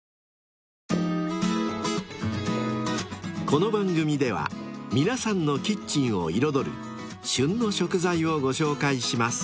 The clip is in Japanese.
［この番組では皆さんのキッチンを彩る「旬の食材」をご紹介します］